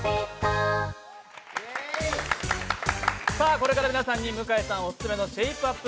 これから皆さんに向井さんオススメのシェイプアップ！